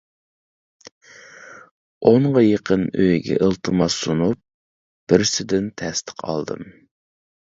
ئونغا يېقىن ئۆيگە ئىلتىماس سۇنۇپ بىرسىدىن تەستىق ئالدىم.